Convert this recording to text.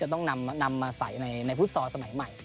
จะต้องนำมาส่ายในคุศศสมัยใหม่